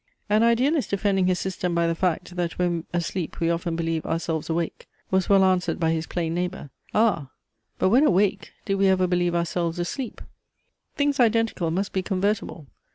An idealist defending his system by the fact, that when asleep we often believe ourselves awake, was well answered by his plain neighbour, "Ah, but when awake do we ever believe ourselves asleep?" Things identical must be convertible.